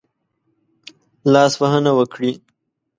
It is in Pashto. لاسوهنه وکړي.